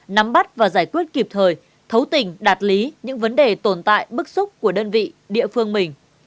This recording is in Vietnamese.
nắm bắt và giải quyết kịp thời thấu tình đạt lý những vấn đề tồn tại bức xúc của đơn vị địa phương mình